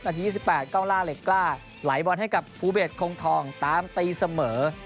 ๒๘กล้องล่าเหล็กกล้าไหลบอลให้กับภูเบสคงทองตามตีเสมอ